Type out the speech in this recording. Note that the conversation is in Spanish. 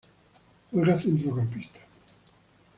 Juega centrocampista.